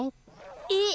えっ。